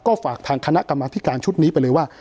ก็ฝากทางคณะกรรมธิการชุดนี้ไปเลยว่า